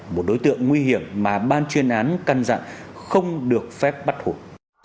một đối tượng nguy hiểm mà ban chuyên án căn dặn không được phép bắt hụt